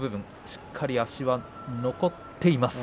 しっかり足は残っています。